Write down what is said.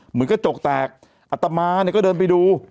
เหมือนกระจกแตกอัตมาเนี่ยก็เดินไปดู